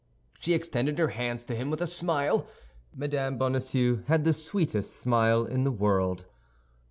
She extended her hands to him with a smile. Mme. Bonacieux had the sweetest smile in the world.